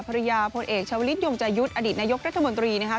พลเอกชาวลิศยงใจยุทธ์อดีตนายกรัฐมนตรีนะครับ